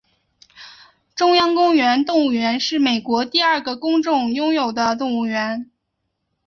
中央公园动物园是美国第二个公众拥有的动物园。